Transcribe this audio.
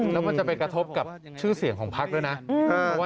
แล้วมันจะไปกระทบกับชื่อเสียงของพักด้วยนะ